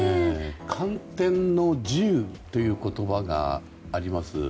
干天の慈雨という言葉があります。